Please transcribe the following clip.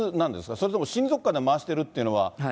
それとも親族間で回しているっていうのは。